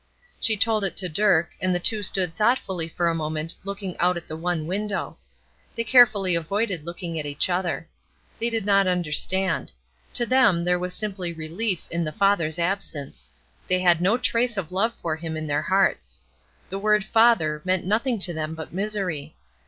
She told it to Dirk, and the two stood thoughtfully for a moment looking out at the one window. They carefully avoided looking at each other. They did not understand. To them there was simply relief in the father's absence. They had no trace of love for him in their hearts. The word "father" meant nothing to them but misery.